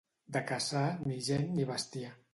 De Cassà, ni gent ni bestiar.